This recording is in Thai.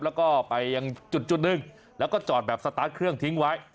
แล้วก็ไปยังจุดหนึ่งแล้วก็จอดแบบสตาร์ทเครื่องทิ้งไว้